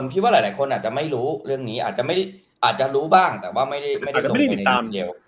คิดว่าหลายคนอาจจะไม่รู้เรื่องนี้อาจจะรู้บ้างแต่ว่าไม่ได้ลงไปในน้ำเยอะ